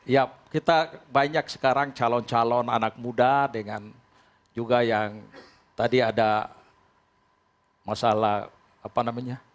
ya kita banyak sekarang calon calon anak muda dengan juga yang tadi ada masalah apa namanya